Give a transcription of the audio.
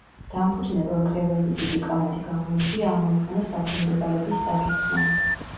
დამფუძნებელ კრებაზე დიდი კამათი გამოიწვია ამ ორგანოს დაქვემდებარების საკითხმა.